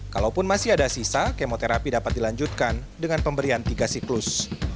kalaupun masih ada sisa kemoterapi dapat dilanjutkan dengan pemberian tiga siklus